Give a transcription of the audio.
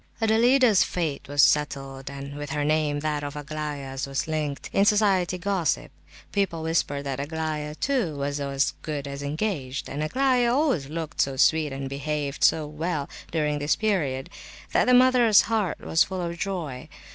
Adelaida's fate was settled; and with her name that of Aglaya's was linked, in society gossip. People whispered that Aglaya, too, was "as good as engaged;" and Aglaya always looked so sweet and behaved so well (during this period), that the mother's heart was full of joy.